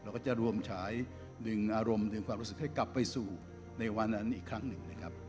ก็จะรวมฉายดึงอารมณ์ดึงความรู้สึกให้กลับไปสู่ในวันนั้นอีกครั้งหนึ่งนะครับ